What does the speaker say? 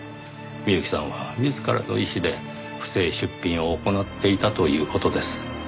美由紀さんは自らの意思で不正出品を行っていたという事です。